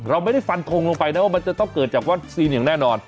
เราไม่ได้ฟันทงลงไปนะว่ามันจะต้องเกิดจากวัคซีนอย่างแน่นอน